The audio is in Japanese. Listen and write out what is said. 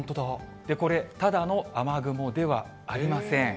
これ、ただの雨雲ではありません。